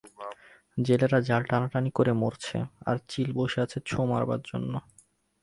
জেলেরা জাল টানাটানি করে মরছে, আর চিল বসে আছে ছোঁ মারবার জন্যে।